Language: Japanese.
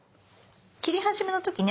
切り始めの時ね